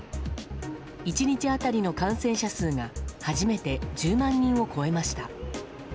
１日当たりの感染者数が初めて１０万人を超えました。